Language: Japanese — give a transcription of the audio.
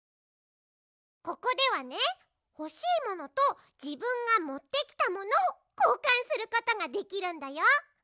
ここではねほしいものとじぶんがもってきたものをこうかんすることができるんだよ。